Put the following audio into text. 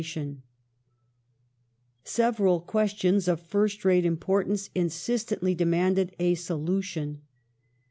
Questions Several questions of fii st rate importance insistently demanded a solution.